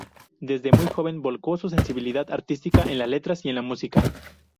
Desde muy joven, volcó su sensibilidad artística en las letras y en la música.